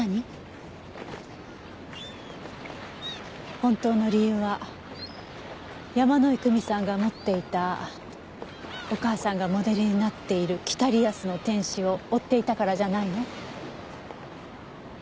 本当の理由は山井久美さんが持っていたお母さんがモデルになっている『北リアスの天使』を追っていたからじゃないの？